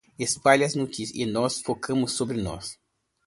Espalhe as notícias e as fofocas sobre nós